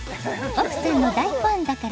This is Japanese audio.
「奥さんの大ファンだから」